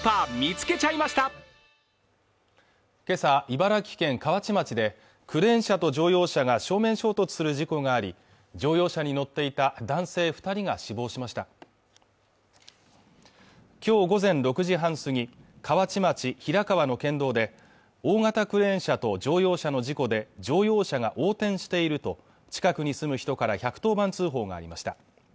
茨城県河内町でクレーン車と乗用車が正面衝突する事故があり乗用車に乗っていた男性二人が死亡しました今日午前６時半過ぎ河内町平川の県道で大型クレーン車と乗用車の事故で乗用車が横転していると近くに住む人から１１０番通報がありました